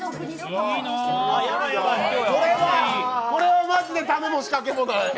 これはマジで種も仕掛けもない。